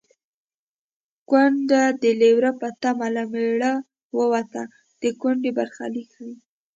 کونډه د لېوره په تمه له مېړه ووته د کونډې برخلیک ښيي